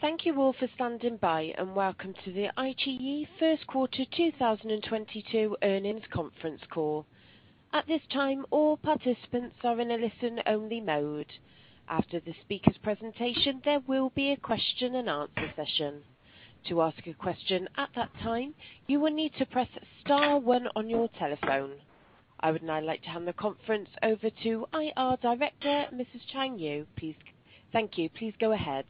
Thank you all for standing by, and welcome to the iQIYI first quarter 2022 earnings conference call. At this time, all participants are in a listen-only mode. After the speaker's presentation, there will be a question and answer session. To ask a question at that time, you will need to press star one on your telephone. I would now like to hand the conference over to IR Director, Mrs. Chang Yu. Thank you. Please go ahead.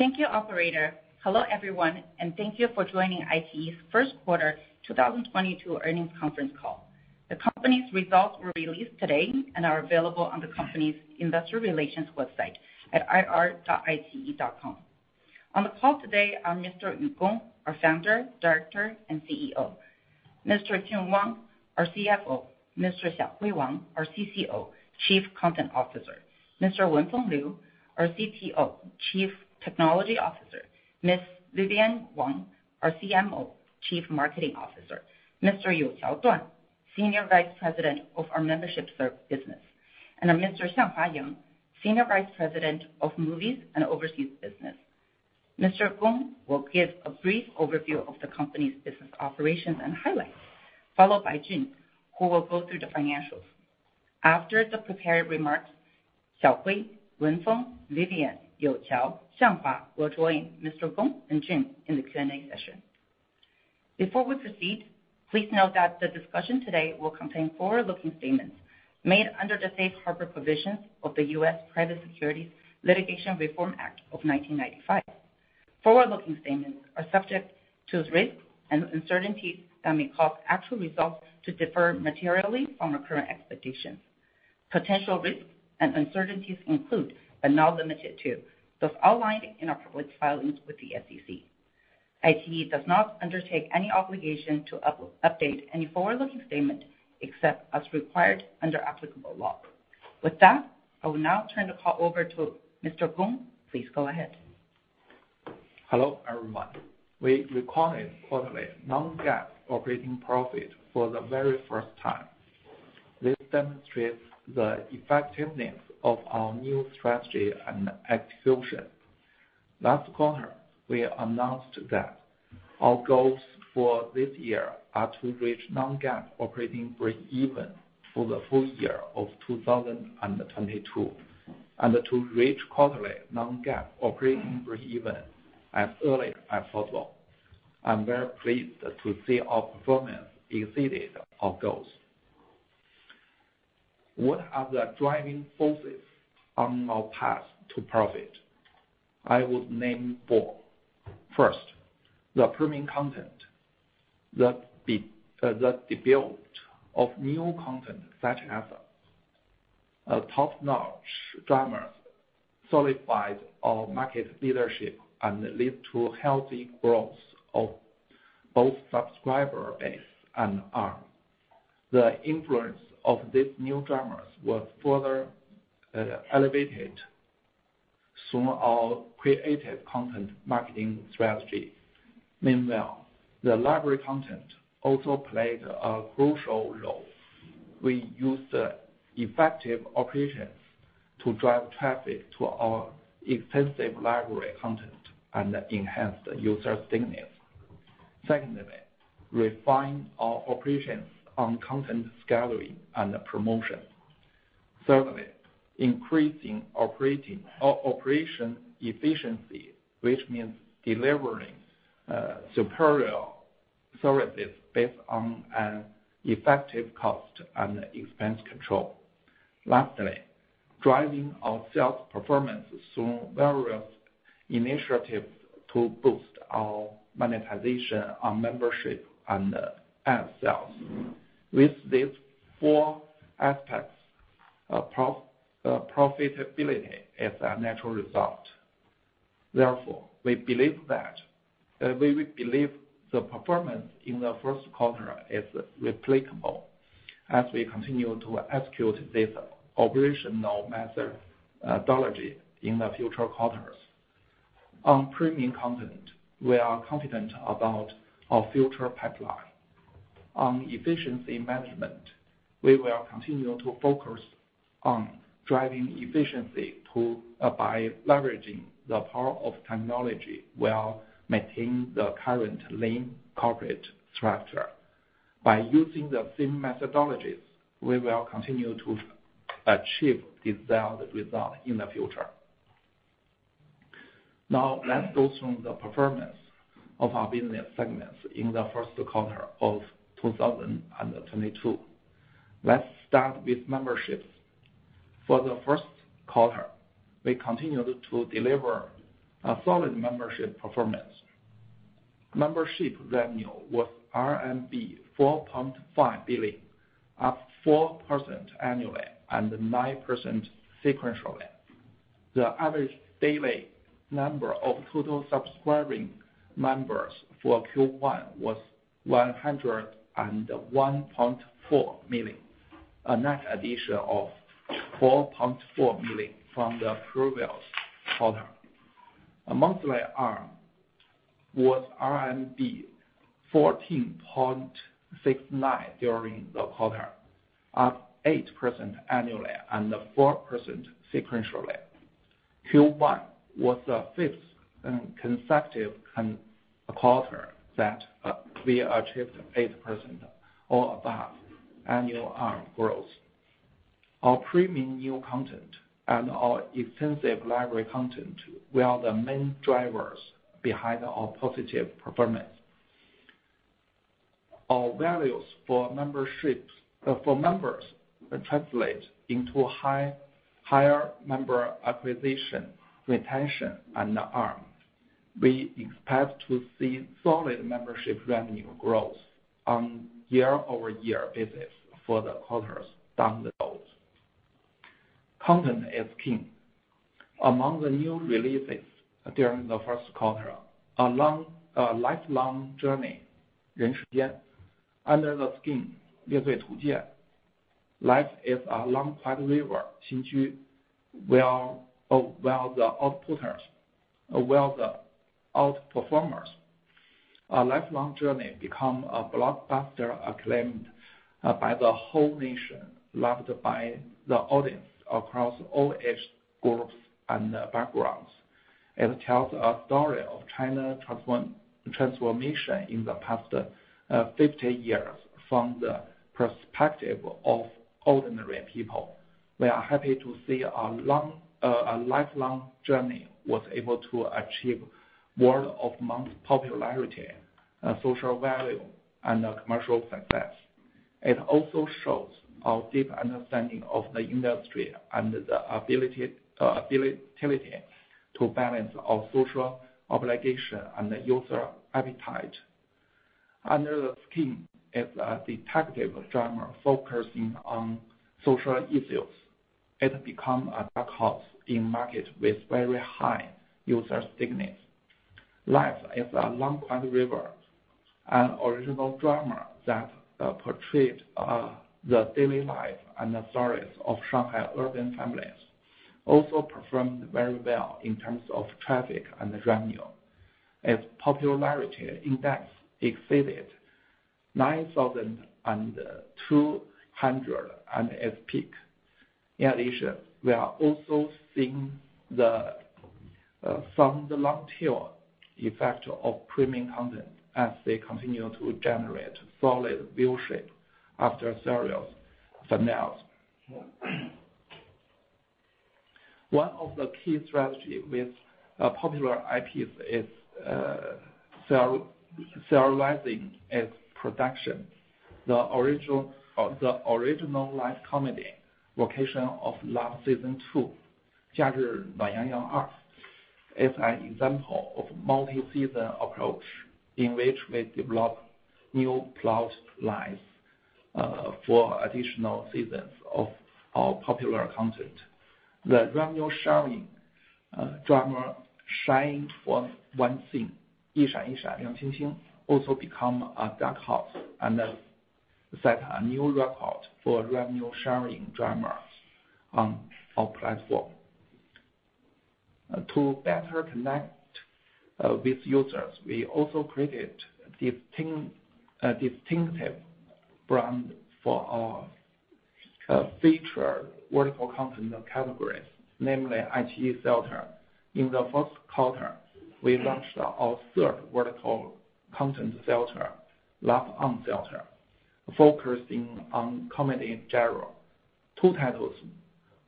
Thank you, operator. Hello, everyone, and thank you for joining iQIYI's first quarter 2022 earnings conference call. The company's results were released today and are available on the company's investor relations website at ir.iqiyi.com. On the call today are Mr. Yu Gong, our Founder, Director, and CEO, Mr. Jun Wang, our CFO, Mr. Xiaohui Wang, our CCO, Chief Content Officer, Mr. Wenfeng Liu, our CTO, Chief Technology Officer, Ms. Vivian Wang, our CMO, Chief Marketing Officer, Mr. Youqiao Duan, Senior Vice President of our Membership Business, and Mr. Xianghua Yang, Senior Vice President of Movies and Overseas Business. Mr. Gong will give a brief overview of the company's business operations and highlights, followed by Jun, who will go through the financials. After the prepared remarks, Xiaohui, Wenfeng, Vivian, Youqiao, Xianghua will join Mr. Gong and Jun in the Q&A session. Before we proceed, please note that the discussion today will contain forward-looking statements made under the Safe Harbor provisions of the U.S. Private Securities Litigation Reform Act of 1995. Forward-looking statements are subject to risks and uncertainties that may cause actual results to differ materially from our current expectations. Potential risks and uncertainties include, but are not limited to, those outlined in our public filings with the SEC. iQIYI does not undertake any obligation to update any forward-looking statement except as required under applicable law. With that, I will now turn the call over to Mr. Gong. Please go ahead. Hello, everyone. We recorded quarterly non-GAAP operating profit for the very first time. This demonstrates the effectiveness of our new strategy and execution. Last quarter, we announced that our goals for this year are to reach non-GAAP operating breakeven for the Full Year of 2022, and to reach quarterly non-GAAP operating breakeven as early as possible. I'm very pleased to see our performance exceeded our goals. What are the driving forces on our path to profit? I would name four. First, the premium content. The build of new content such as top-notch dramas solidified our market leadership and lead to healthy growth of both subscriber base and AR. The influence of these new dramas was further elevated from our creative content marketing strategy. Meanwhile, the library content also played a crucial role. We used effective operations to drive traffic to our extensive library content and enhance the user stickiness. Secondly, refine our operations on content discovery and promotion. Thirdly, increasing operation efficiency, which means delivering superior services based on an effective cost and expense control. Lastly, driving our sales performance through various initiatives to boost our monetization on membership and ad sales. With these four aspects, profitability is a natural result. Therefore, we believe the performance in the first quarter is replicable as we continue to execute this operational methodology in the future quarters. On premium content, we are confident about our future pipeline. On efficiency management, we will continue to focus on driving efficiency by leveraging the power of technology while maintaining the current lean corporate structure. By using the same methodologies, we will continue to achieve desired result in the future. Now, let's go through the performance of our business segments in the first quarter of 2022. Let's start with memberships. For the first quarter, we continued to deliver a solid membership performance. Membership revenue was RMB 4.5 billion, up 4% annually and 9% sequentially. The average daily number of total subscribing members for Q1 was 101.4 million, a net addition of 4.4 million from the previous quarter. A monthly ARPU was RMB 14.69 during the quarter, up 8% annually and 4% sequentially. Q1 was the fifth consecutive quarter that we achieved 8% or above annual growth. Our premium new content and our extensive library content were the main drivers behind our positive performance. Our values for members translate into higher member acquisition, retention, and ARPU. We expect to see solid membership revenue growth on year-over-year basis for the quarters down the road. Content is king. Among the new releases during the first quarter, A Lifelong Journey, Under the Skin, Life is a Long Quiet River, were the outperformers. A Lifelong Journey become a blockbuster acclaimed by the whole nation, loved by the audience across all age groups and backgrounds. It tells a story of China transformation in the past 50 years from the perspective of ordinary people. We are happy to see A Lifelong Journey was able to achieve word-of-mouth popularity, social value, and a commercial success. It also shows our deep understanding of the industry and the ability to balance our social obligation and user appetite. Under the Skin is a detective drama focusing on social issues. It became a dark horse in market with very high user stickiness. Life is a Long Quiet River, an original drama that portrayed the daily life and the stories of Shanghai urban families, also performed very well in terms of traffic and revenue. Its popularity index exceeded 9,200 at its peak. In addition, we are also seeing the long tail effect of premium content as they continue to generate solid viewership after serials come out. One of the key strategy with popular IPs is serializing its production. The original light comedy, Vacation of Love Season 2, is an example of multi-season approach in which we develop new plot lines for additional seasons of our popular content. The revenue-sharing drama, Shining for One Thing, also become a dark horse and set a new record for revenue-sharing drama on our platform. To better connect with users, we also created distinctive brand for our feature vertical content categories, namely, iQIYI Theater. In the first quarter, we launched our third vertical content theater, Laugh On Theater, focusing on comedy in general. Two titles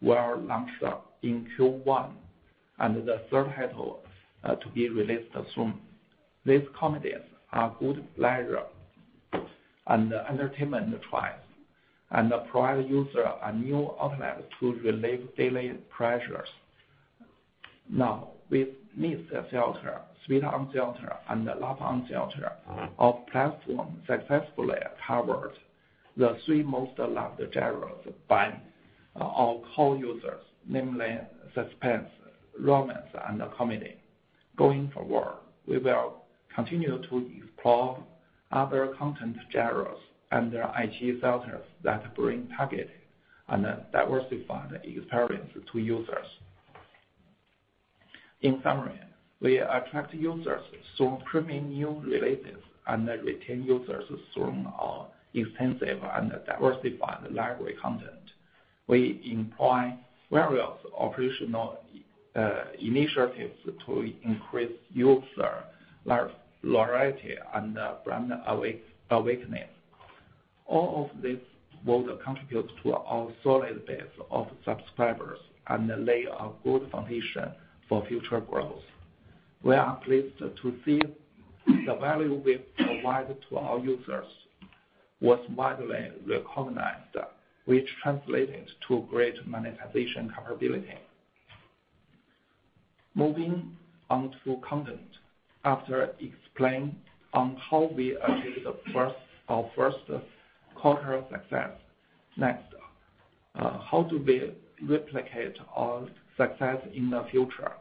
were launched in Q1, and the third title to be released soon. These comedies are good leisure and entertainment choice, and provide user a new outlet to relieve daily pressures. Now, with Mist Theater, Sweet On Theater, and Laugh On Theater, our platform successfully covered the three most loved genres by our core users, namely suspense, romance, and comedy. Going forward, we will continue to explore other content genres and iQIYI Theaters that bring targeted and diversified experience to users. In summary, we attract users through premium new releases and retain users through our extensive and diversified library content. We employ various operational initiatives to increase user loyalty and brand awareness. All of this will contribute to our solid base of subscribers and lay a good foundation for future growth. We are pleased to see the value we provide to our users was widely recognized, which translated to great monetization capability. Moving on to content. After explaining how we achieve our first quarter success, next, how do we replicate our success in the future?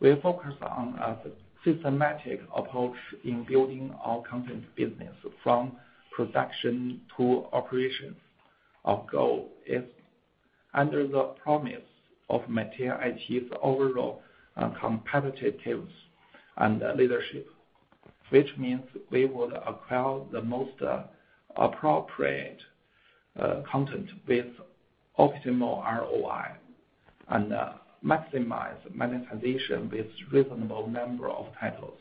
We focus on a systematic approach in building our content business from production to operation. Our goal is under the promise of maintaining iQIYI's overall competitiveness and leadership, which means we would acquire the most appropriate content with optimal ROI and maximize monetization with reasonable number of titles.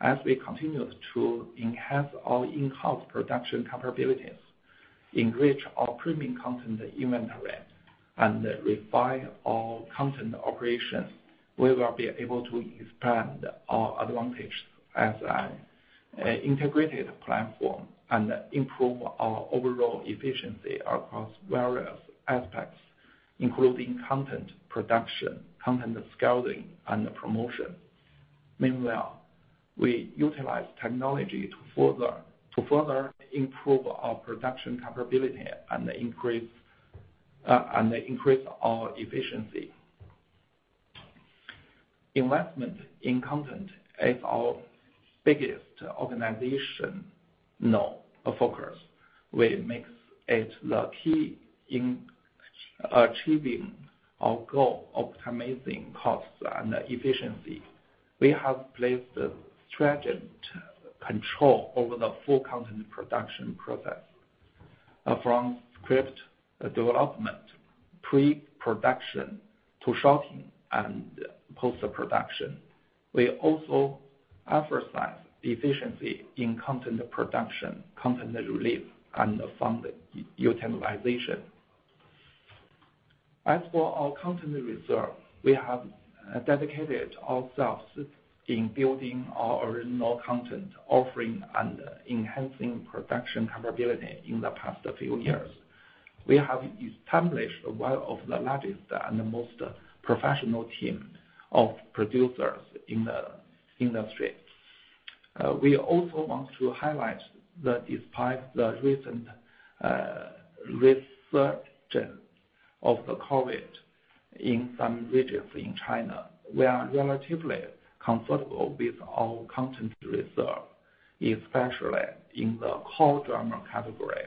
As we continue to enhance our in-house production capabilities, enrich our premium content inventory, and refine our content operations, we will be able to expand our advantage as an integrated platform and improve our overall efficiency across various aspects, including content production, content scouting, and promotion. Meanwhile, we utilize technology to further improve our production capability and increase our efficiency. Investment in content is our biggest organizational focus, which makes it the key in achieving our goal optimizing costs and efficiency. We have placed stringent control over the full content production process, from script development, pre-production, to shooting and post-production. We also emphasize efficiency in content production, content release, and fund utilization. As for our content reserve, we have dedicated ourselves in building our original content offering and enhancing production capability in the past few years. We have established one of the largest and the most professional team of producers in the industry. We also want to highlight that despite the recent resurgence of the COVID in some regions in China, we are relatively comfortable with our content reserve, especially in the core drama category,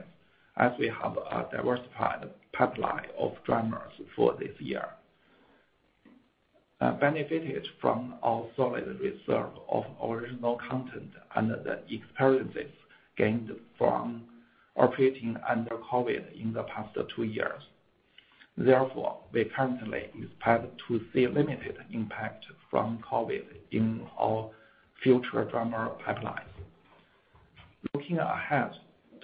as we have a diversified pipeline of dramas for this year, benefited from our solid reserve of original content and the experiences gained from operating under COVID in the past two years. Therefore, we currently expect to see limited impact from COVID in our future drama pipeline. Looking ahead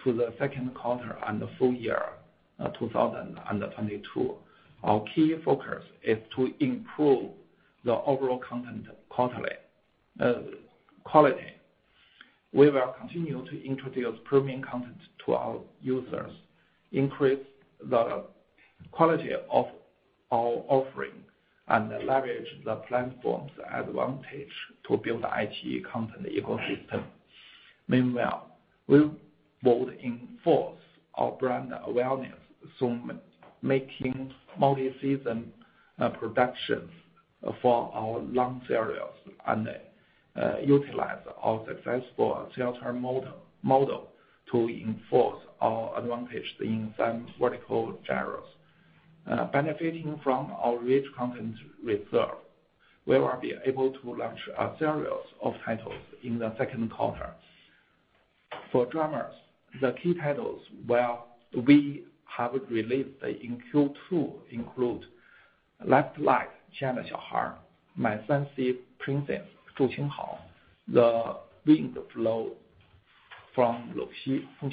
to the second quarter and the full year of 2022, our key focus is to improve the overall content quality. We will continue to introduce premium content to our users, increase the quality of our offering, and leverage the platform's advantage to build iQIYI content ecosystem. Meanwhile, we would enforce our brand awareness, so making multi-season productions for our long serials and utilize our successful theater model to enforce our advantage in some vertical genres. Benefiting from our rich content reserve, we will be able to launch a series of titles in the second quarter. For dramas, the key titles we have released in Q2 include A Lifelong Journey, My Fancy Princess, The Wind Blows from Longxi, and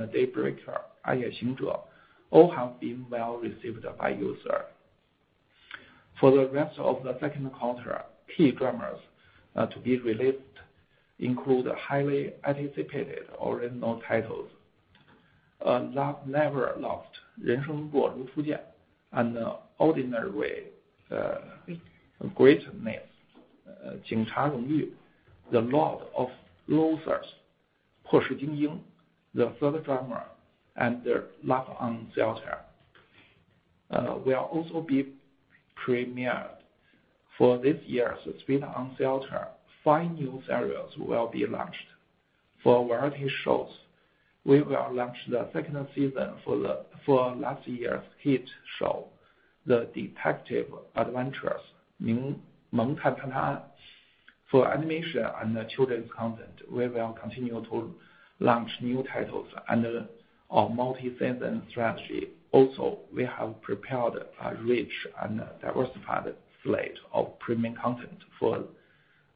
The Night Wanderer, all have been well received by user. For the rest of the second quarter, key dramas to be released include the highly anticipated original titles, A Love Never Lost, Ordinary Greatness, The Law of Losers, uncertain, and Love On Theater. We'll also be premiered. For this year's Sweet On Theater, five new serials will be launched. For variety shows, we will launch the second season for last year's hit show, The Detectives' Adventures, 萌探探案. For animation and children's content, we will continue to launch new titles under our multi-season strategy. Also, we have prepared a rich and diversified slate of premium content for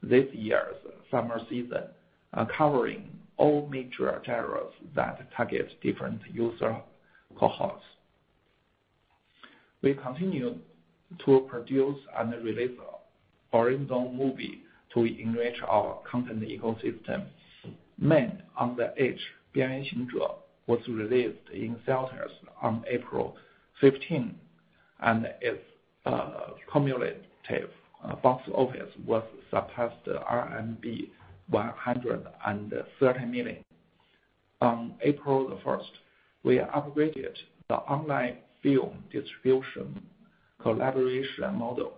this year's summer season, covering all major genres that target different user cohorts. We continue to produce and release original movie to enrich our content ecosystem. Man on the Edge, 边缘行者, was released in theaters on April 15th, and its cumulative box office has surpassed RMB 130 million. On April first, we upgraded the online film distribution collaboration model.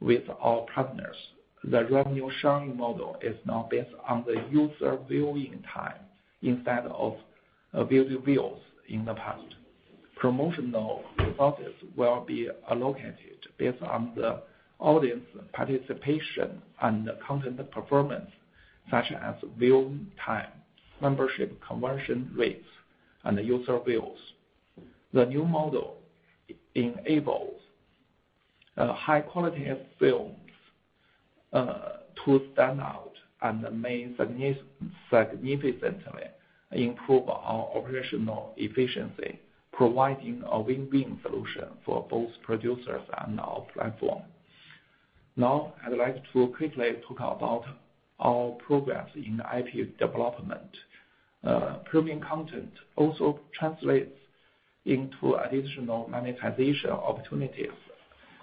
With our partners, the revenue sharing model is now based on the user viewing time instead of views in the past. Promotional resources will be allocated based on the audience participation and the content performance, such as view time, membership conversion rates, and user views. The new model enables high quality of films to stand out and may significantly improve our operational efficiency, providing a win-win solution for both producers and our platform. Now, I'd like to quickly talk about our progress in IP development. Premium content also translates into additional monetization opportunities.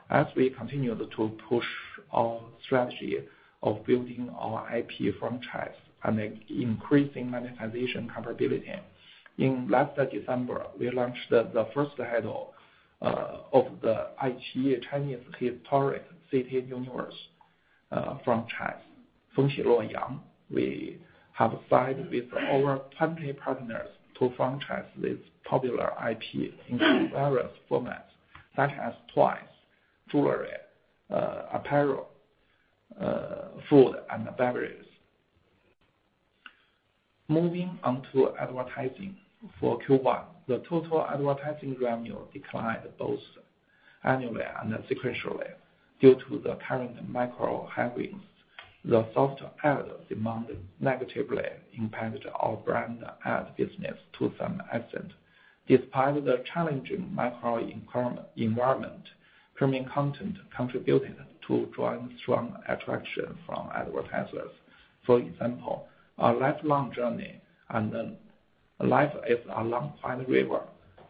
As we continue to push our strategy of building our IP franchise and increasing monetization capability. In late December, we launched the first title of the iQIYI Chinese historic city universe franchise, Feng Qi Luo Yang. We have signed with over 20 partners to franchise this popular IP into various formats such as toys, jewelry, apparel, food and beverages. Moving on to advertising. For Q1, the total advertising revenue declined both annually and sequentially due to the current macro headwinds. The soft ad demand negatively impacted our brand ad business to some extent. Despite the challenging macro environment, premium content contributed to drawing strong attraction from advertisers. For example, A Lifelong Journey and Life is a Long Quiet River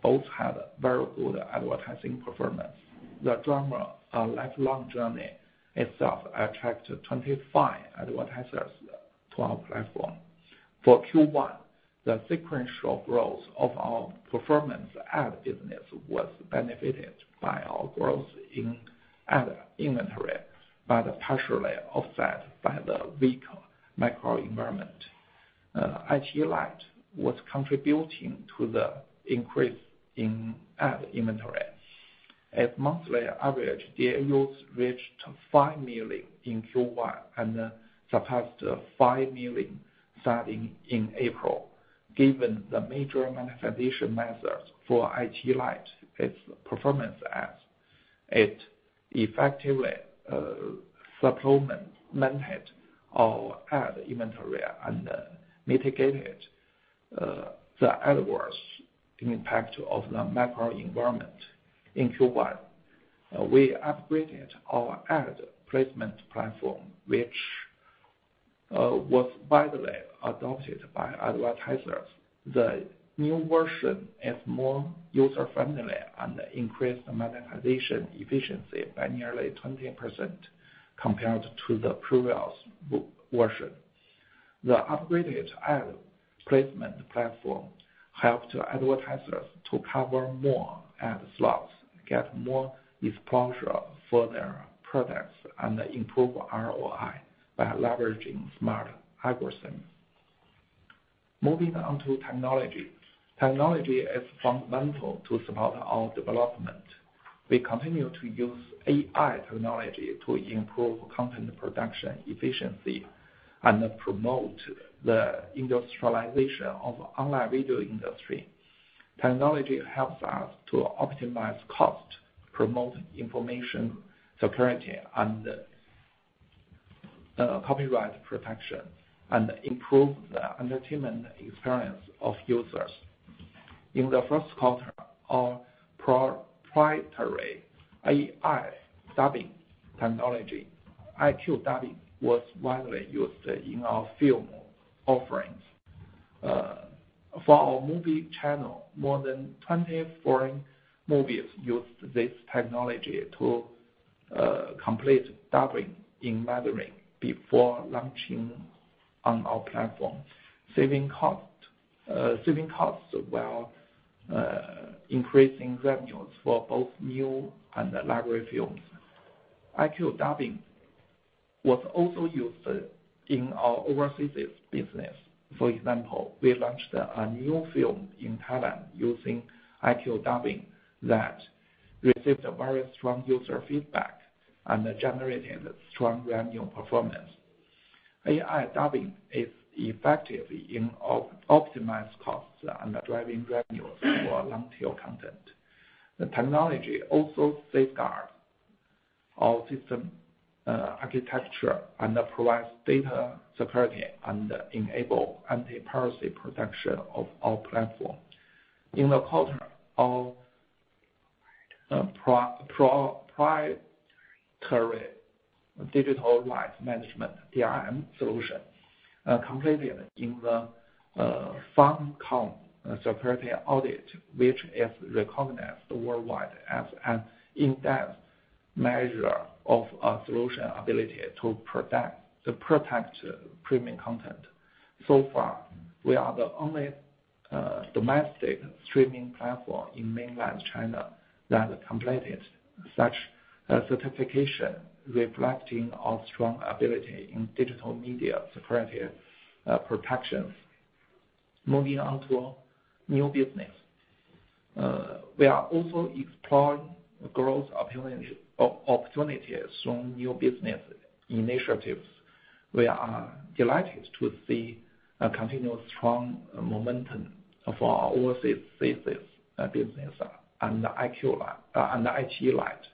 both had very good advertising performance. The drama A Lifelong Journey itself attracted 25 advertisers to our platform. For Q1, the sequential growth of our performance ad business was benefited by our growth in ad inventory, but partially offset by the weak macro environment. iQIYI Lite was contributing to the increase in ad inventory. As a monthly average, DAUs reached 5 million in Q1 and surpassed 5 million starting in April. Given the major monetization methods for iQIYI Lite is performance ads, it effectively supplemented our ad inventory and mitigated the adverse impact of the macro environment. In Q1, we upgraded our ad placement platform, which was widely adopted by advertisers. The new version is more user-friendly and increased monetization efficiency by nearly 20% compared to the previous version. The upgraded ad placement platform helped advertisers to cover more ad slots, get more exposure for their products, and improve ROI by leveraging smart algorithms. Moving on to technology. Technology is fundamental to support our development. We continue to use AI technology to improve content production efficiency and promote the industrialization of online video industry. Technology helps us to optimize cost, promote information security and copyright protection, and improve the entertainment experience of users. In the first quarter, our proprietary AI dubbing technology, IQ-Dubbing, was widely used in our film offerings. For our movie channel, more than 20 foreign movies used this technology to complete dubbing in Mandarin before launching on our platform, saving costs while increasing revenues for both new and library films. IQ-Dubbing was also used in our overseas business. For example, we launched a new film in Thailand using IQ-Dubbing that received a very strong user feedback and generated strong revenue performance. AI dubbing is effective in optimizing costs and driving revenues for long tail content. The technology also safeguards our system architecture and provides data security and enable anti-piracy protection of our platform. In the quarter, our proprietary Digital Rights Management DRM solution completed in the Farncombe security audit, which is recognized worldwide as an in-depth measure of a solution's ability to protect premium content. So far, we are the only domestic streaming platform in mainland China that completed such a certification, reflecting our strong ability in digital media security protections. Moving on to new business. We are also exploring growth opportunities from new business initiatives. We are delighted to see a continuous strong momentum for our overseas business and iQIYI Lite.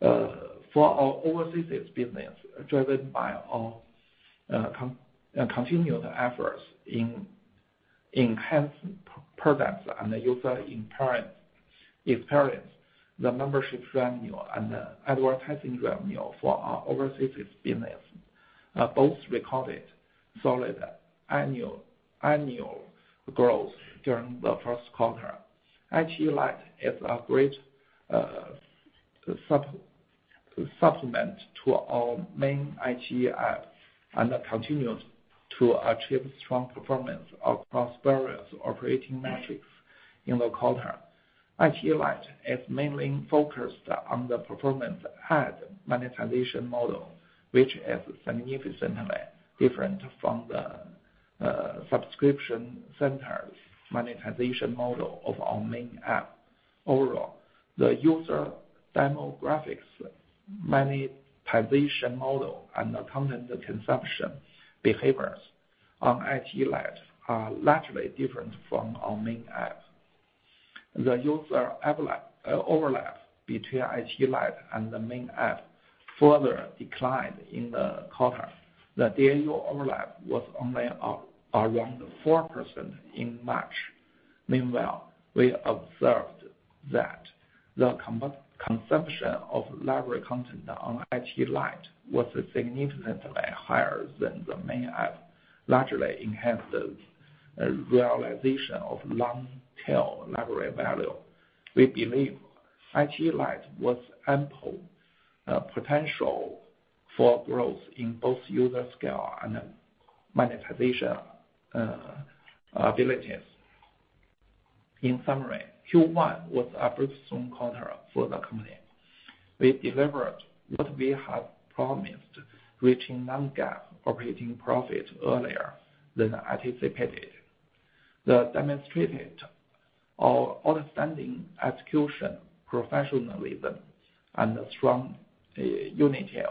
For our overseas business, driven by our continuous efforts in enhancing products and user experience, the membership revenue and advertising revenue for our overseas business both recorded solid annual growth during the first quarter. iQIYI Lite is a great supplement to our main iQIYI app and continues to achieve strong performance across various operating metrics in the quarter. iQIYI Lite is mainly focused on the performance ad monetization model, which is significantly different from the subscription-centered monetization model of our main app. Overall, the user demographics, monetization model, and content consumption behaviors on iQIYI Lite are largely different from our main app. The user overlap between iQIYI Lite and the main app further declined in the quarter. The DAU overlap was only around 4% in March. Meanwhile, we observed that the consumption of library content on iQIYI Lite was significantly higher than the main app, largely enhanced the realization of long-tail library value. We believe iQIYI Lite has ample potential for growth in both user scale and monetization abilities. In summary, Q1 was a breakthrough quarter for the company. We delivered what we had promised, reaching non-GAAP operating profit earlier than anticipated. That demonstrated our outstanding execution, professionalism, and strong unity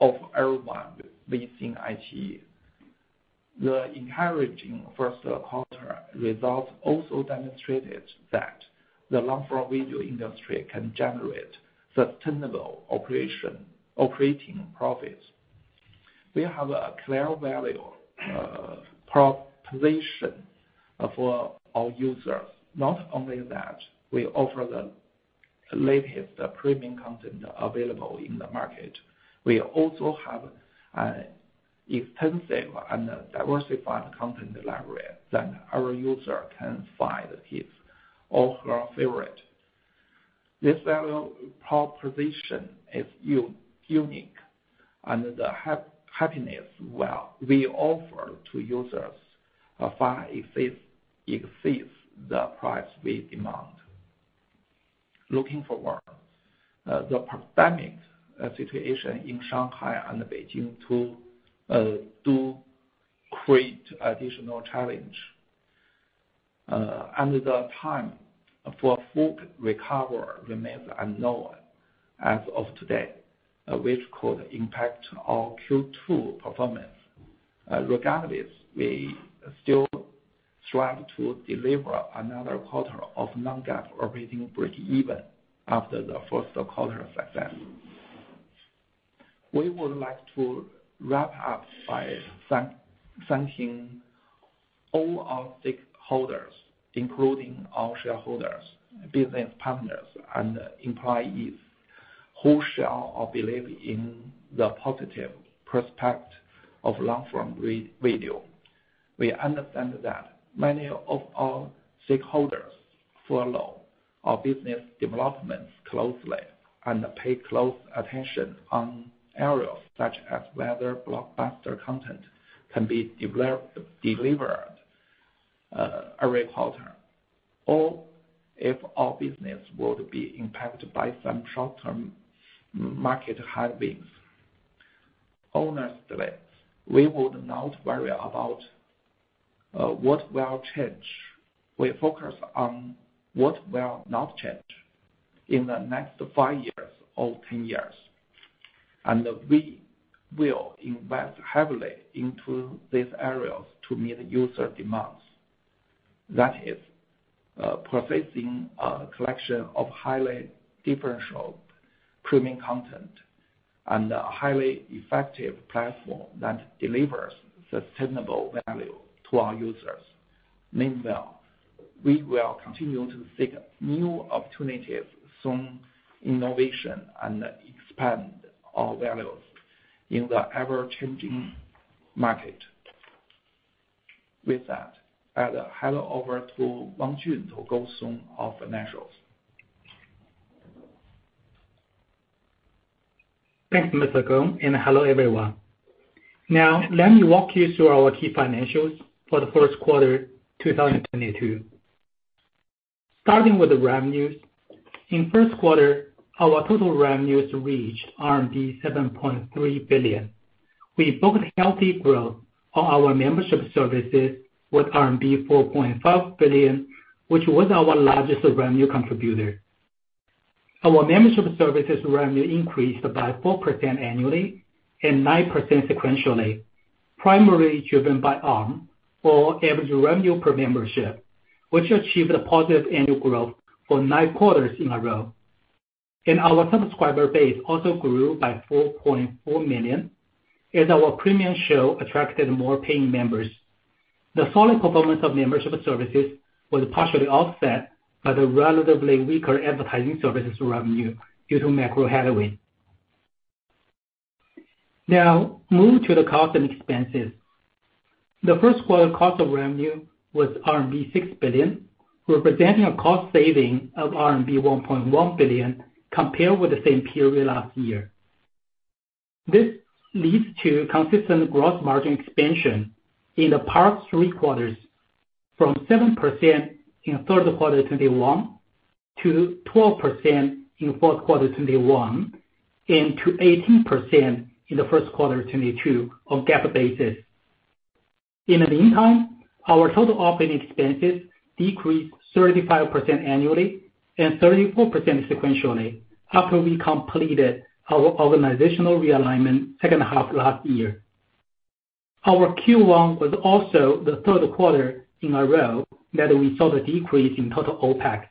of everyone within iQIYI. The encouraging first quarter results also demonstrated that the long-form video industry can generate sustainable operating profits. We have a clear value proposition for our users. Not only that, we offer the latest premium content available in the market. We also have an extensive and diversified content library that our user can find his or her favorite. This value proposition is unique, and the happiness we offer to users far exceeds the price we demand. Looking forward, the pandemic situation in Shanghai and Beijing too does create additional challenge. The time for full recovery remains unknown as of today, which could impact our Q2 performance. Regardless, we still strive to deliver another quarter of non-GAAP operating breakeven after the first quarter success. We would like to wrap up by thanking all our stakeholders, including our shareholders, business partners, and employees, who share our belief in the positive prospect of long-form video. We understand that many of our stakeholders follow our business developments closely and pay close attention on areas such as whether blockbuster content can be delivered every quarter, or if our business would be impacted by some short-term market headwinds. Honestly, we would not worry about what will change. We focus on what will not change in the next five years or 10 years, and we will invest heavily into these areas to meet user demands. That is, producing a collection of highly differentiated premium content and a highly effective platform that delivers sustainable value to our users. Meanwhile, we will continue to seek new opportunities from innovation and expand our values in the ever-changing market. With that, I'll hand over to Jun Wang to go through our financials. Thanks, Mr. Gong, and hello everyone. Now let me walk you through our key financials for the first quarter 2022. Starting with the revenues. In first quarter, our total revenues reached 7.3 billion. We booked healthy growth on our membership services with 4.5 billion, which was our largest revenue contributor. Our membership services revenue increased by 4% annually and 9% sequentially, primarily driven by ARPU or average revenue per membership, which achieved a positive annual growth for nine quarters in a row. Our subscriber base also grew by 4.4 million as our premium show attracted more paying members. The solid performance of membership services was partially offset by the relatively weaker advertising services revenue due to macro headwinds. Now move to the cost and expenses. The first quarter cost of revenue was RMB 6 billion, representing a cost saving of RMB 1.1 billion compared with the same period last year. This leads to consistent gross margin expansion in the past three quarters from 7% in third quarter 2021 to 12% in fourth quarter 2021 and to 18% in the first quarter 2022 on GAAP basis. In the meantime, our total operating expenses decreased 35% annually and 34% sequentially after we completed our organizational realignment second half last year. Our Q1 was also the third quarter in a row that we saw the decrease in total OpEx.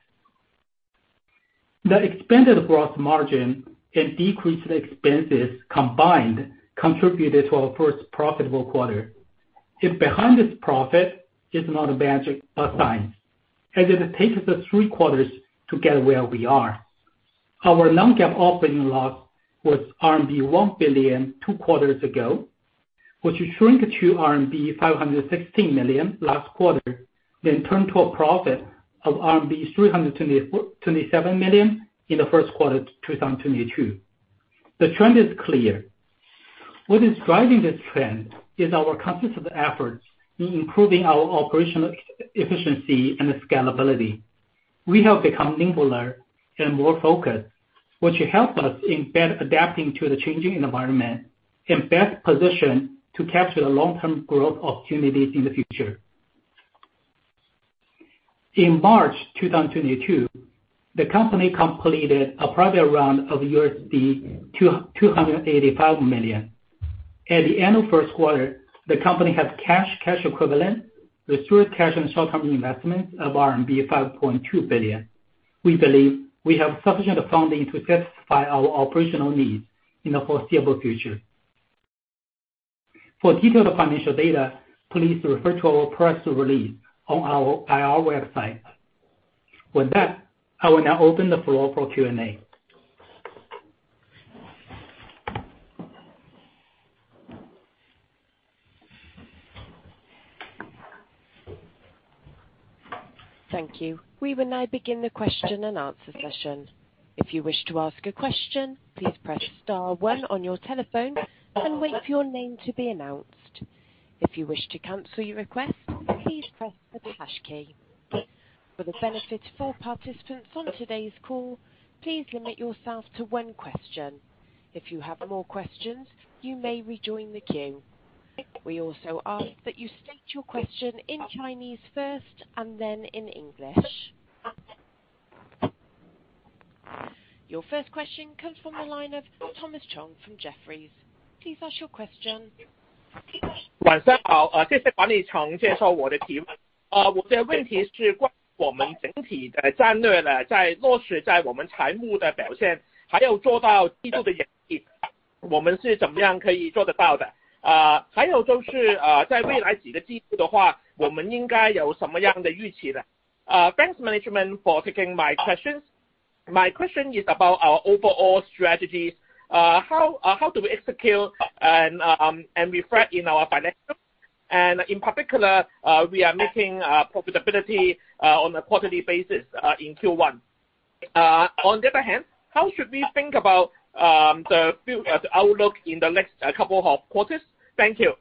The expanded gross margin and decreased expenses combined contributed to our first profitable quarter. Yet behind this profit is not magic, but science, as it takes us three quarters to get where we are. Our non-GAAP operating loss was RMB 1 billion two quarters ago, which shrink to RMB 516 million last quarter, then turned to a profit of RMB 27 million in the first quarter 2022. The trend is clear. What is driving this trend is our consistent efforts in improving our operational efficiency and scalability. We have become nimbler and more focused, which help us in better adapting to the changing environment and best positioned to capture the long-term growth opportunities in the future. In March 2022, the company completed a private round of $285 million. At the end of first quarter, the company has cash equivalent, restricted cash and short-term investments of RMB 5.2 billion. We believe we have sufficient funding to satisfy our operational needs in the foreseeable future. For detailed financial data, please refer to our press release on our IR website. With that, I will now open the floor for Q&A. Thank you. We will now begin the question and answer session. If you wish to ask a question, please press star one on your telephone and wait for your name to be announced. If you wish to cancel your request, please press the hash key. For the benefit of all participants on today's call, please limit yourself to one question. If you have more questions, you may rejoin the queue. We also ask that you state your question in Chinese first and then in English. Your first question comes from the line of Thomas Chong from Jefferies. Please ask your question. Thanks management for taking my questions. My question is about our overall strategy. How do we execute and reflect in our financials? In particular, we are making profitability on a quarterly basis in Q1. On the other hand, how should we think about the future outlook in the next couple of quarters? Thank you.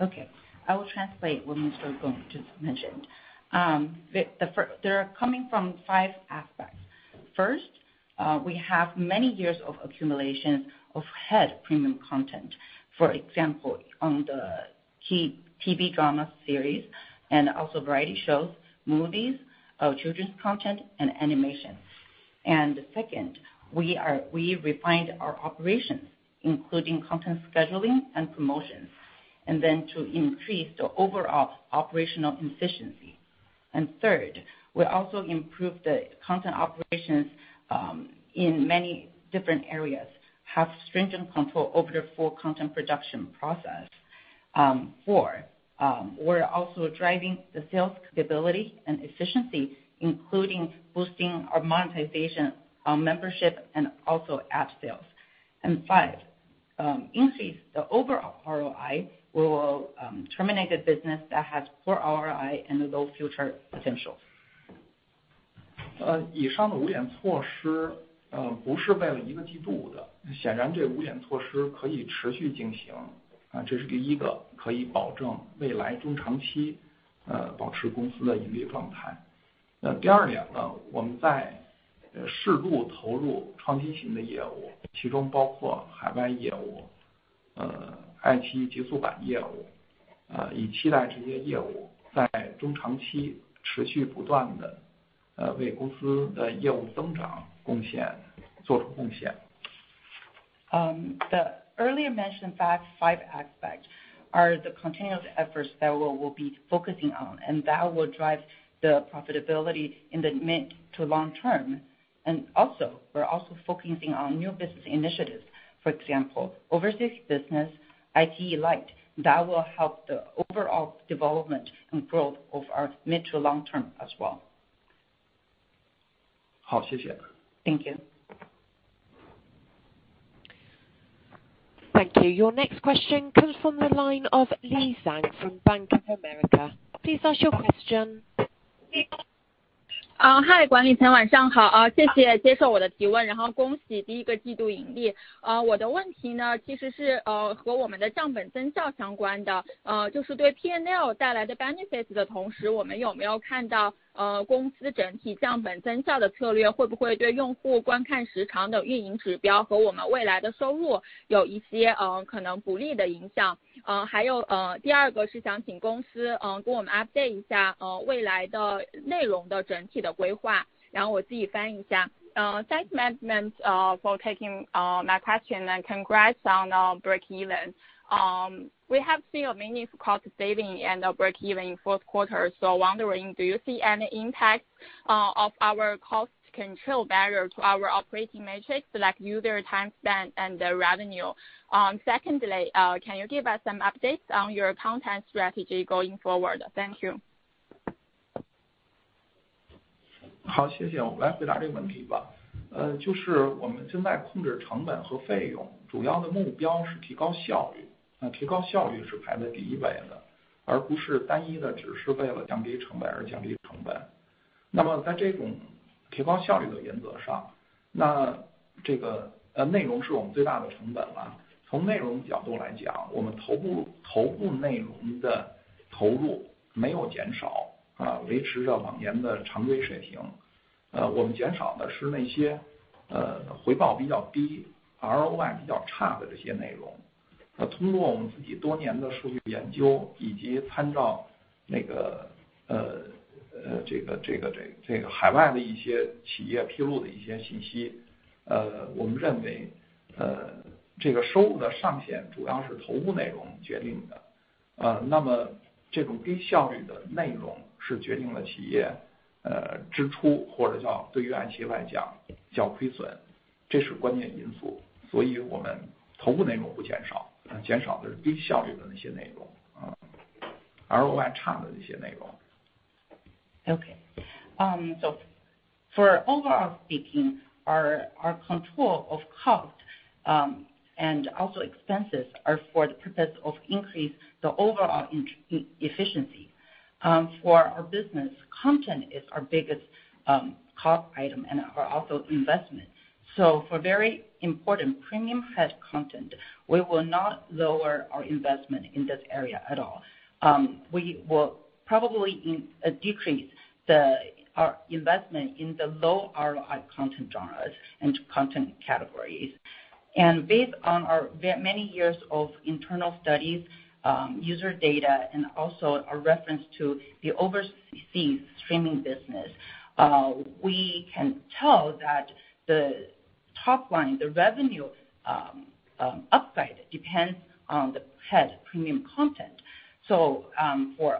OK. I will translate what was just said. First, there are coming from five aspects. First, we have many years of accumulation of head premium content. For example, on the key TV drama series and also variety shows, movies, our children's content and animation. Second, we refined our operations, including content scheduling and promotions, and then to increase the overall operational efficiency. Third, we also improve the content operations in many different areas, have stringent control over the full content production process. Fourth, we're also driving the sales capability and efficiency, including boosting our monetization, our membership, and also ad sales. Fifth, increase the overall ROI by terminating the business that has poor ROI and low future potential. 以上的五点措施，不是为了一个季度的，显然这五点措施可以持续进行，这是第一个可以保证未来中长期保持公司的盈利状态。那第二点呢，我们在适度投入创新型的业务，其中包括海外业务，爱奇艺极速版业务，以期待这些业务在中长期持续不断地为公司的业务增长贡献，做出贡献。The earlier mentioned five aspects are the continuous efforts that we will be focusing on and that will drive the profitability in the mid- to long-term. We're also focusing on new business initiatives. For example, overseas business, iQIYI Lite, that will help the overall development and growth of our mid- to long-term as well. 好，谢谢。Thank you. Thank you. Your next question comes from the line of Xueqing Zhang from CICC. Please ask your question. 嗨，管理层晚上好，谢谢接受我的提问。恭喜第一个季度盈利。我的问题呢，其实是和我们的账本增效相关的，就是对PNL带来的benefits的同时，我们有没有看到，公司整体账本增效的策略会不会对用户观看时长的运营指标和我们未来的收入有一些可能不利的影响。还有，第二个是想请公司给我们update一下，未来的内容的整体的规划，然后我自己翻译一下。Thanks management for taking my question, and congrats on our breakeven. We have seen a meaningful cost saving and breakeven in fourth quarter. So wondering, do you see any impact of our cost control barrier to our operating metrics like user time spent and the revenue? Secondly, can you give us some updates on your content strategy going forward? Thank you. For overall speaking our control of cost and also expenses are for the purpose of increase the overall inefficiency. For our business, content is our biggest cost item and also investment. For very important premium head content, we will not lower our investment in this area at all. We will probably decrease our investment in the low ROI content genres and content categories. Based on our very many years of internal studies, user data and also a reference to the overseas streaming business, we can tell that the top one, the revenue upside depends on the head premium content. For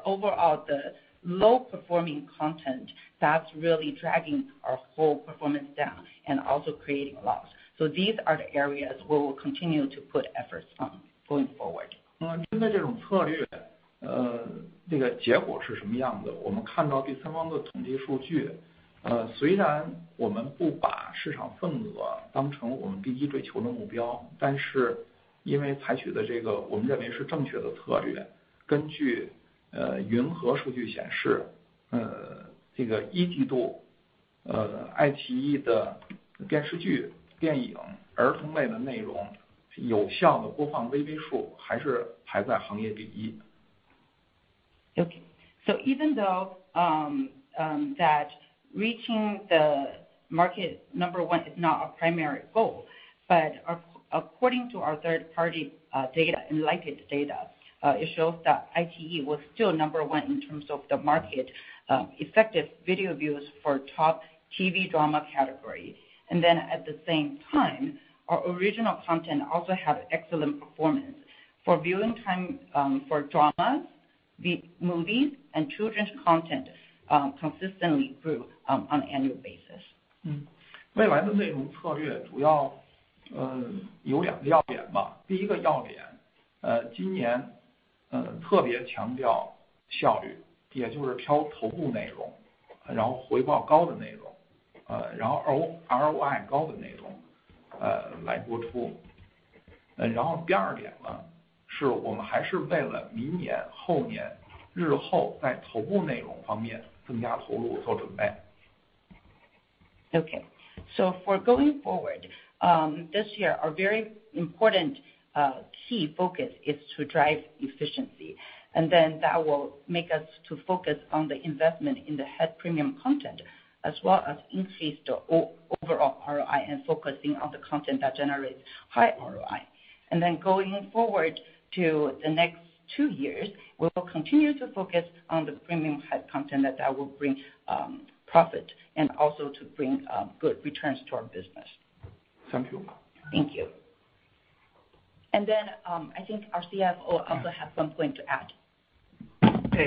overall the low-performing content, that's really dragging our whole performance down and also creating loss. These are the areas where we'll continue to put efforts on going forward. 针对这种策略，这个结果是什么样子？我们看到第三方的统计数据，虽然我们不把市场份额当成我们第一追求的目标，但是因为采取的这个我们认为是正确的策略。根据云合数据显示，这个一季度爱奇艺的电视剧、电影、儿童类的内容有效的播放VV数还是排在行业第一。Even though that reaching the market number one is not our primary goal, but according to our third-party data, Enlightent data, it shows that iQIYI was still number one in terms of the market effective video views for top TV drama category. At the same time, our original content also had excellent performance. For viewing time for dramas, movies and children's content consistently grew on annual basis. 未来的内容策略主要有两个要点。第一个要点，今年特别强调效率，也就是挑头部内容，然后回报高的内容，然后ROI高的内容来播出。第二点呢，是我们还是为了明年、后年、日后在头部内容方面增加投入做准备。Okay. For going forward, this year, our very important key focus is to drive efficiency, and then that will make us to focus on the investment in the head premium content, as well as increase the overall ROI and focusing on the content that generates high ROI. Going forward to the next two years, we will continue to focus on the premium head content that will bring profit and also to bring good returns to our business. Thank you. Thank you. I think our CFO also have some point to add.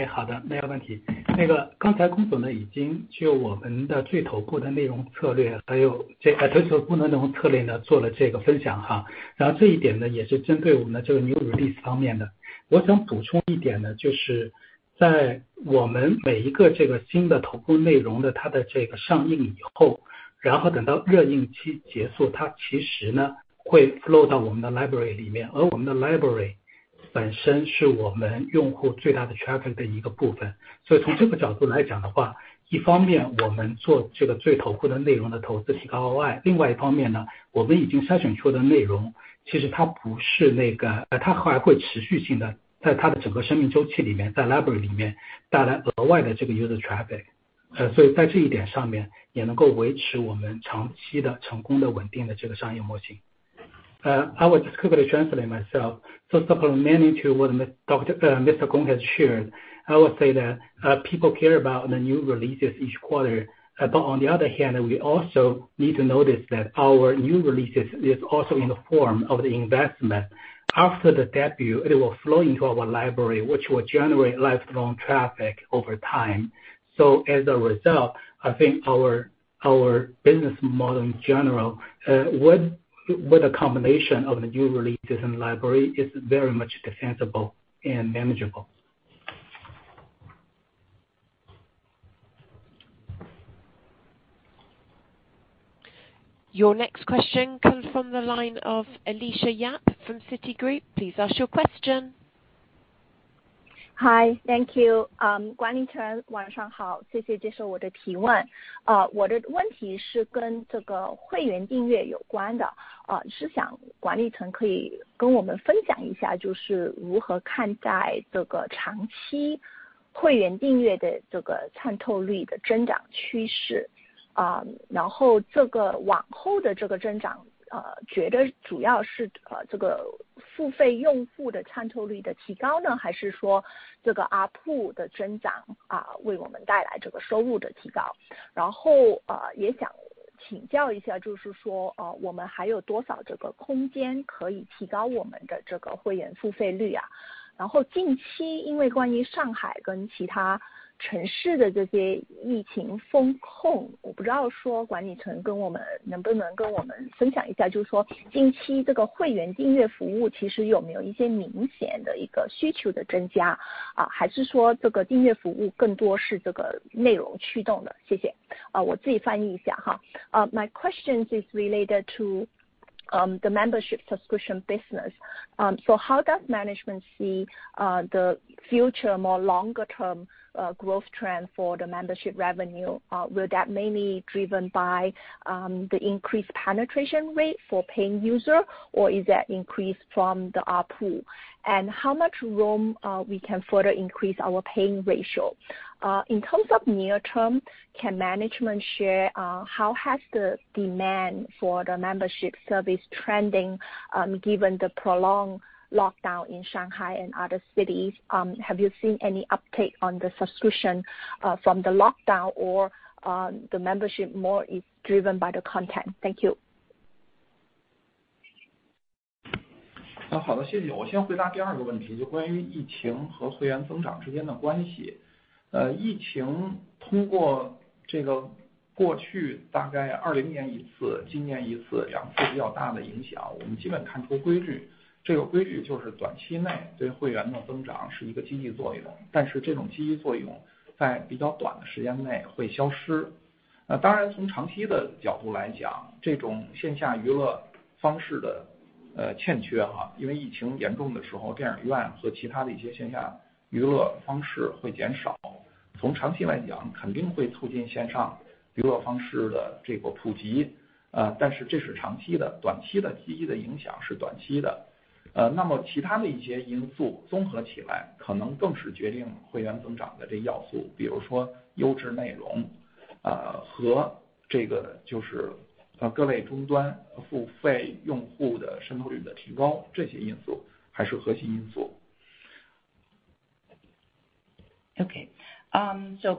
好的，没有问题。刚才龚总呢，已经就我们的最头部的内容策略做了这个分享。然后这一点呢，也是针对我们的这个new 它还会在它的整个生命周期里面，在library里面带来额外的这个user traffic。所以在这一点上面也能够维持我们长期的、成功的、稳定的这个商业模型。I will quickly translate myself. Supplementing to what Mr. Gong has shared, I would say that, people care about the new releases each quarter. On the other hand, we also need to notice that our new releases is also in the form of the investment. After the debut, it will flow into our library, which will generate lifelong traffic over time. As a result, I think our business model in general, with a combination of the new releases and library is very much defensible and manageable. Your next question comes from the line of Alicia Yap from Citigroup. Please ask your question. Hi thank you.嗯，管理层晚上好，谢谢接受我的提问。我的问题是跟这个会员订阅有关的，是想管理层可以跟我们分享一下，就是如何看待这个长期会员订阅的这个渗透率的增长趋势，然后这个往后的这个增长，觉得主要是这个付费用户的渗透率的提高呢，还是说这个ARPU的增长，为我们带来这个收入的提高。然后也想请教一下，就是说我们还有多少这个空间可以提高我们的这个会员付费率。然后近期因为关于上海跟其他城市的这些疫情封控，我不知道说管理层跟我们能不能跟我们分享一下，就是说近期这个会员订阅服务其实有没有一些明显的一个需求的增加，还是说这个订阅服务更多是这个内容驱动的。谢谢。我自己翻译一下哈。My question is related to the membership subscription business. How does management see the future more longer-term growth trend for the membership revenue? Will that mainly driven by the increased penetration rate for paying user, or is that increased from the ARPU? How much room we can further increase our paying ratio? In terms of near-term, can management share how has the demand for the membership service trending, given the prolonged lockdown in Shanghai and other cities? Have you seen any uptake on the subscription from the lockdown or the membership more is driven by the content? Thank you.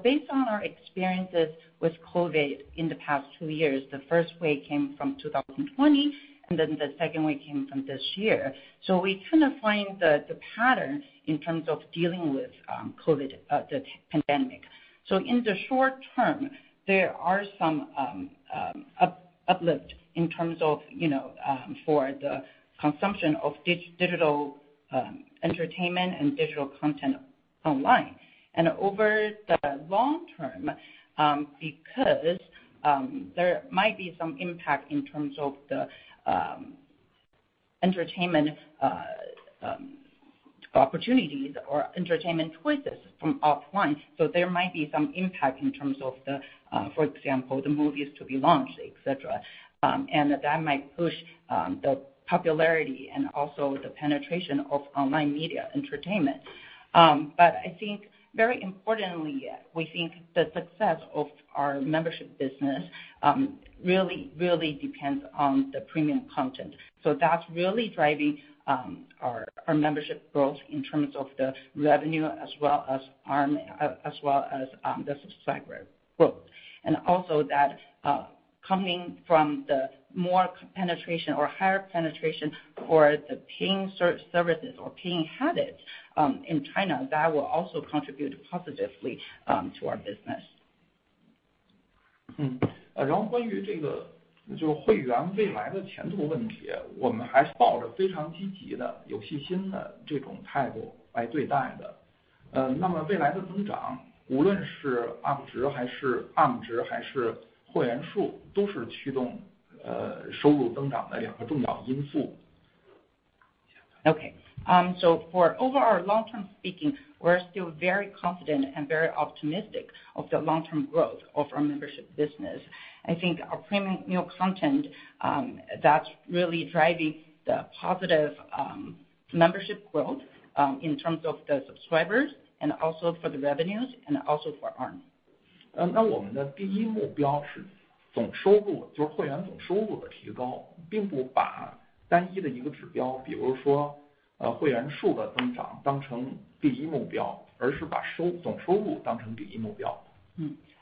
Based on our experiences with COVID in the past two years, the first wave came from 2020, and then the second wave came from this year. We cannot find the pattern in terms of dealing with COVID, the pandemic. In the short term, there are some uplift in terms of, you know, for the consumption of digital entertainment and digital content online. Over the long term, because there might be some impact in terms of the entertainment opportunities or entertainment choices from offline. There might be some impact in terms of the, for example, the movies to be launched, etc. And that might push the popularity and also the penetration of online media entertainment. But I think very importantly, we think the success of our membership business really depends on the premium content. That's really driving our membership growth in terms of the revenue as well as ARPU, as well as the subscriber growth. That coming from the more penetration or higher penetration for the paying services or paying habits in China will also contribute positively to our business. 关于会员未来的前途问题，我们还抱着非常积极的、有信心的这种态度来对待的。那么未来的增长，无论是ARPU值还是ARM值，还是会员数，都是驱动收入增长的两个重要因素。In the long term, we are still very confident and very optimistic of the long term growth of our membership business. I think our premium content that's really driving the positive membership growth in terms of the subscribers and also for the revenues and also for ARPU. 那我们的第一目标是总收入，就是会员总收入的提高，并不把单一的一个指标，比如说会员数的增长当成第一目标，而是把总收入当成第一目标。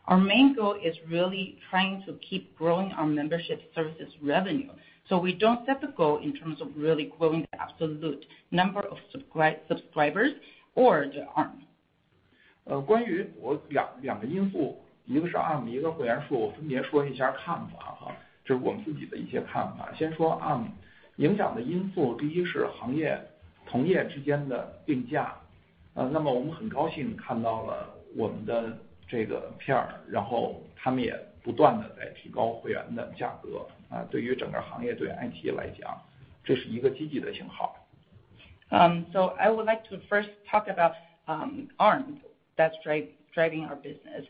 Our main goal is really trying to keep growing our membership services revenue. We don't set the goal in terms of really growing the absolute number of subscribers or the ARPU. 关于两个因素，一个是ARM，一个是会员数，我分别说一下看法，就是我们自己的一些看法。先说ARM影响的因素，第一是行业，同业之间的定价。那么我们很高兴看到了我们的这个片，然后他们也不断地在提高会员的价格，对于整个行业，对爱奇艺来讲，这是一个积极的信号。I would like to first talk about ARPU that's driving our business.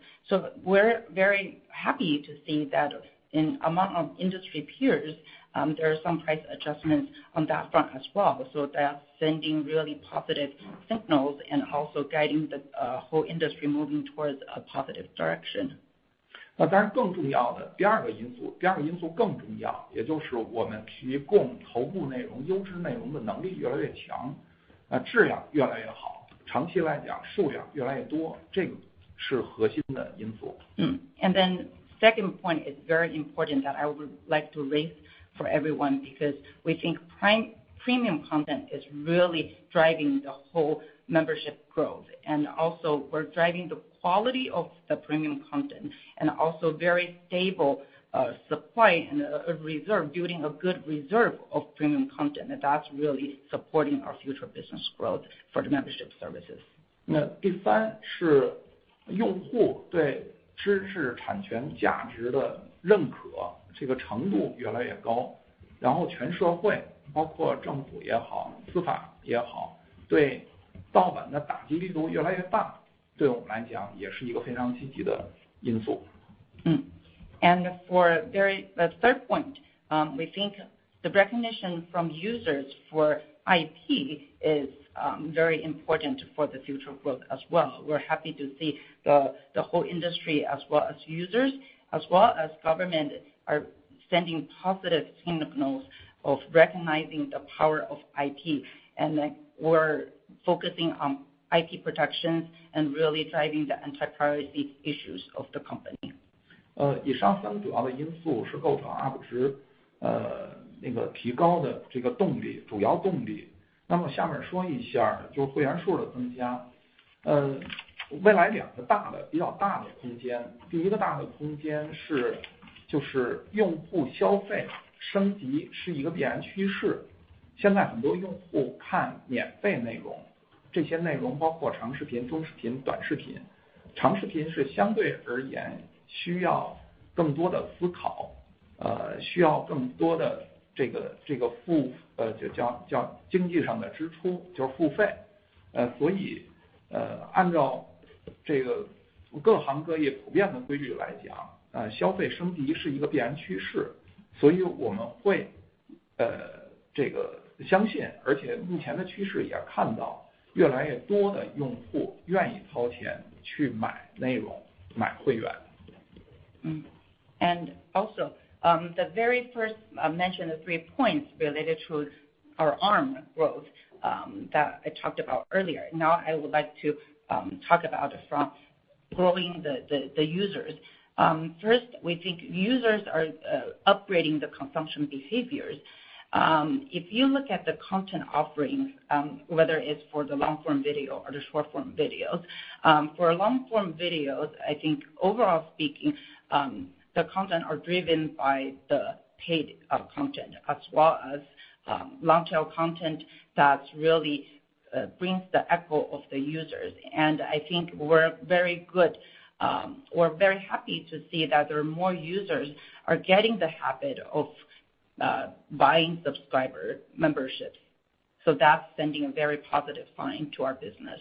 We're very happy to see that in among our industry peers, there are some price adjustments on that front as well. That's sending really positive signals and also guiding the whole industry moving towards a positive direction. 当然更重要的第二个因素，第二个因素更重要，也就是我们提供头部内容、优质内容的能力越来越强，质量越来越好，长期来讲数量越来越多，这个是核心的因素。Second point is very important that I would like to raise for everyone, because we think premium content is really driving the whole membership growth, and also we're driving the quality of the premium content and also very stable supply and a reserve, building a good reserve of premium content. That's really supporting our future business growth for the membership services. 第三是用户对知识产权价值的认可，这个程度越来越高，然后全社会包括政府也好，司法也好，对盗版的打击力度越来越大，对我们来讲也是一个非常积极的因素。We think the recognition from users for IP is very important for the future growth as well. We're happy to see the whole industry as well as users, as well as government, are sending positive signals of recognizing the power of IP, and that we're focusing on IP protection and really driving the anti-piracy issues of the company. The very first I mentioned the three points related to our user growth that I talked about earlier. Now I would like to talk about growing the users. First, we think users are upgrading the consumption behaviors. If you look at the content offerings, whether it's for the long form video or the short form videos, for long form videos, I think overall speaking, the content are driven by the paid content as well as long tail content that's really brings the echo of the users. I think we're very good or very happy to see that there are more users are getting the habit of buying subscriber memberships, so that's sending a very positive sign to our business.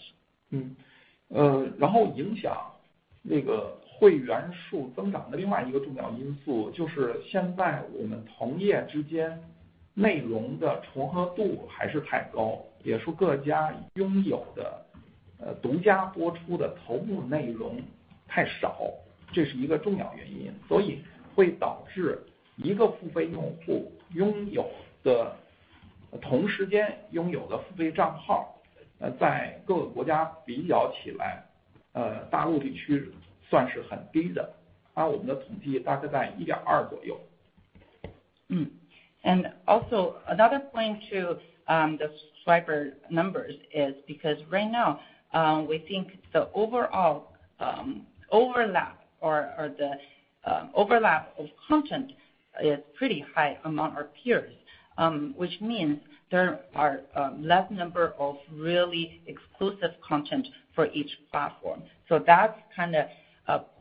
Also another point to the subscriber numbers is because right now, we think the overall overlap of content is pretty high among our peers, which means there are less number of really exclusive content for each platform. That's kind of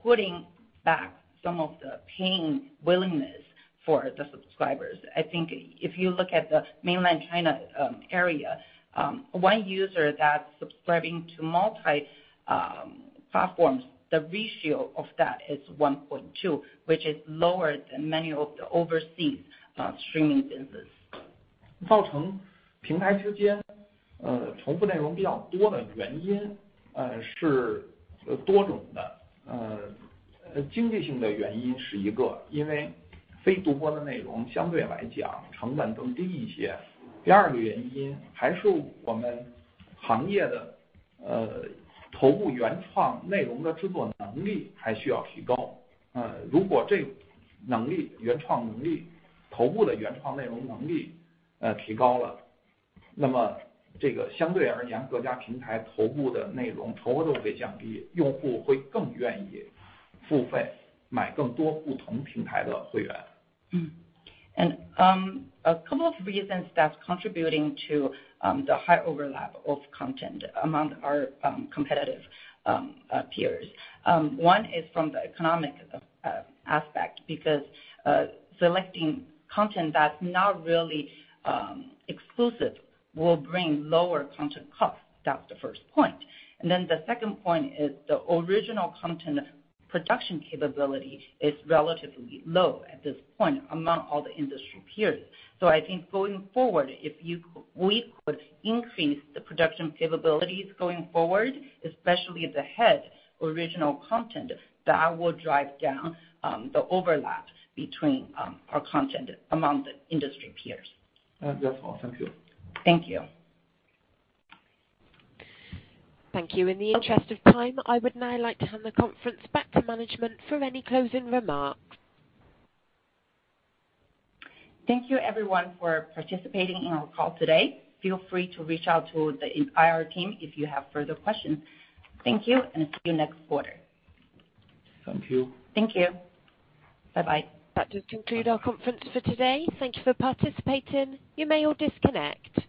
putting back some of the paying willingness for the subscribers. I think if you look at the Mainland China area, one user that's subscribing to multi platforms, the ratio of that is 1.2, which is lower than many of the overseas streaming services. A couple of reasons that's contributing to the high overlap of content among our competitive peers. One is from the economic aspect, because selecting content that's not really exclusive will bring lower content costs. That's the first point. The second point is the original content production capability is relatively low at this point among all the industry peers. I think going forward, we could increase the production capabilities going forward, especially the head original content that will drive down the overlap between our content among the industry peers. That's all. Thank you. Thank you. Thank you. In the interest of time, I would now like to hand the conference back to management for any closing remarks. Thank you everyone for participating in our call today. Feel free to reach out to the IR team if you have further questions. Thank you and see you next quarter. Thank you. Thank you. Bye bye. That does conclude our conference for today. Thank you for participating. You may all disconnect.